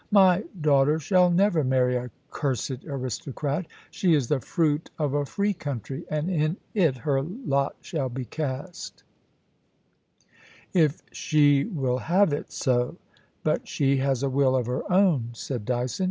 My daughter shall never marry a cursed aristocrat She is the fruit of a fi ee country, and in it her lot shall be cast' * If she will have it so ; but she has a will of her own,* said Dyson.